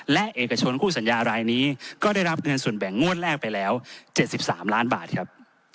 และเอกชนคู่สัญญารายนี้ก็ได้รับเงินส่วนแบ่งงวดแรกไปแล้ว๗๓ล้านบาทครับ